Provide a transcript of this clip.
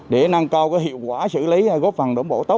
để nâng cao hiệu quả xử lý góp phần đồng bộ tốt